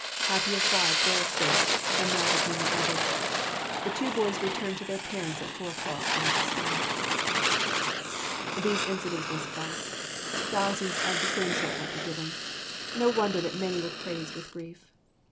Happier far their fate than that of many others. The two boys returned to their parents at four o'clock the next day." These incidents will suffice. Thousands of the same sort might be given. No wonder that many were crazed with grief.